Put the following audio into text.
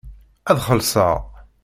Ad xellṣeɣ.